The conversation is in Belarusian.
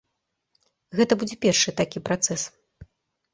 Гэта будзе першы такі працэс.